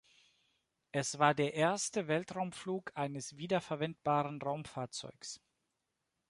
Es war der erste Weltraumflug eines wiederverwendbaren Raumfahrzeugs.